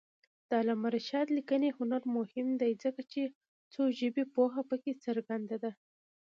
د علامه رشاد لیکنی هنر مهم دی ځکه چې څوژبني پوهه پکې څرګنده ده.